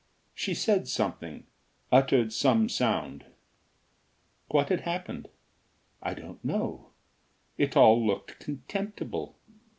She said something uttered some sound. What had happened? I don't know. It all looked contemptible.